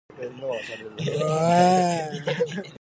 本当に素晴らしい出来事だ。